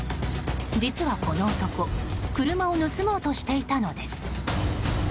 実はこの男車を盗もうとしていたのです。